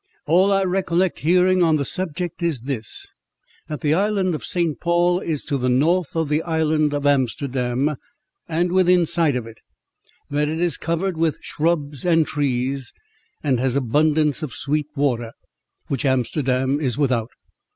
"All I recollect hearing on the subject is this, that the island of St. Paul is to the north of the island of Amsterdam, and within sight of it; that it is covered with shrubs and trees, and has abundance of sweet water, which Amsterdam is without.